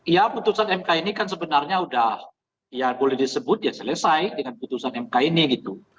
ya putusan mk ini kan sebenarnya udah ya boleh disebut ya selesai dengan putusan mk ini gitu